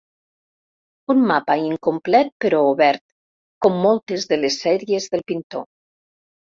Un mapa incomplet però obert, com moltes de les sèries del pintor.